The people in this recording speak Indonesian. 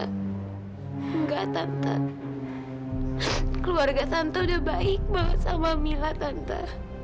tidak tante keluarga tante sudah baik banget sama mila tante